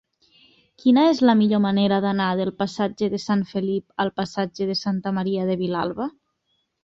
Quina és la millor manera d'anar del passatge de Sant Felip al passatge de Santa Maria de Vilalba?